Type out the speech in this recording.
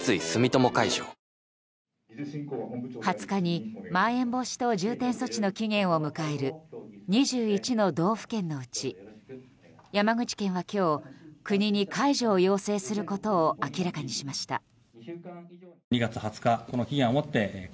２０日にまん延防止等重点措置の期限を迎える２１の道府県のうち山口県は今日国に解除を要請することを明らかにしました。